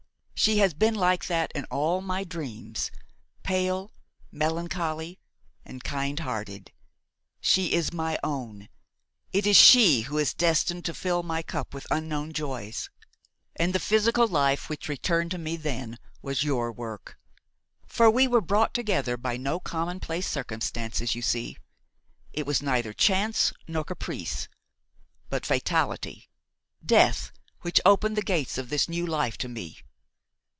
she has been like that in all my dreams–pale, melancholy and kind hearted. She is my own; it is she who is destined to fill my cup with unknown joys.' And the physical life which returned to me then was your work. For we were brought together by no commonplace circumstances, you see; it was neither chance nor caprice, but fatality, death, which opened the gates of this new life to me.